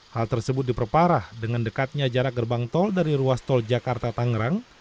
hal tersebut diperparah dengan dekatnya jarak gerbang tol dari ruas tol jakarta tangerang